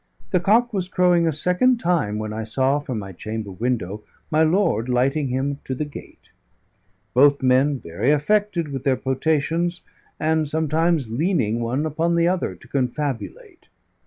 The cock was crowing a second time when I saw (from my chamber window) my lord lighting him to the gate, both men very much affected with their potations, and sometimes leaning one upon the other to confabulate.